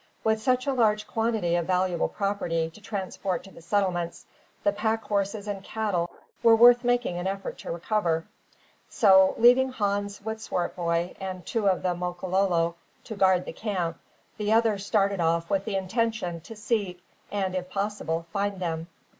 With such a large quantity of valuable property to transport to the settlements, the pack horses and cattle were worth making an effort to recover; so, leaving Hans with Swartboy and two of the Makololo to guard the camp, the others started off with the intention to seek and, if possible, find them.